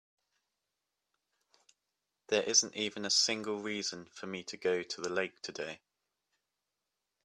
There isn't even a single reason for me to go to the lake today.